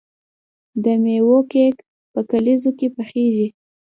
د میوو کیک په کلیزو کې پخیږي.